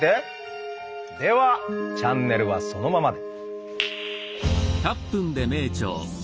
ではチャンネルはそのままで！